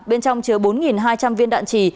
bên trong chứa bốn hai trăm linh viên đạn trì